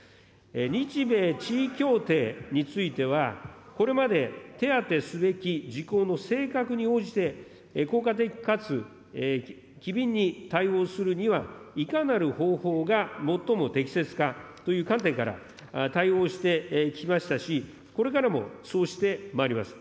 日米地位協定については、これまで手当てすべき事項の性格に応じて、効果的かつ機敏に対応するには、いかなる方法が最も適切かという観点から対応してきましたし、これからもそうしてまいります。